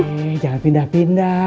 eh jangan pindah pindah